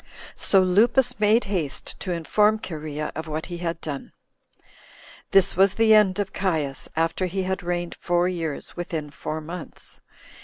So Lupus made haste to inform Cherea of what he had done. 5. This was the end of Caius, after he had reigned four years, within four months.